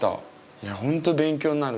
いやほんと勉強になる。